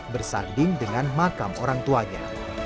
bersanding dengan makam orang tuanya